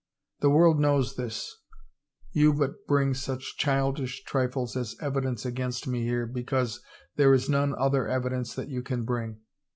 The world knows this. You but bring such childish trifles as evidence against me here because there is none other evidence that you can bring.